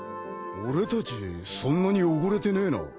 俺たちそんなに汚れてねえな。